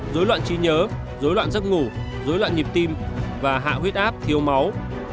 rối loạn chi nhớ rối loạn giấc ngủ rối loạn nhịp tim và hạ huyết áp thiếu máu